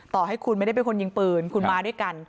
ต่อให้คุณไม่ได้เป็นคนยิงปืนคุณมาด้วยกัน